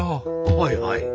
はいはい。